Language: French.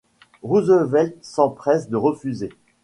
Roosevelt s'empresse de refuser.